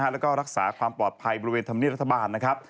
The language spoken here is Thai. แล้วก็รักษาความปลอดภัยบริเวณธรรมเนียบรัฐบาลนะครับ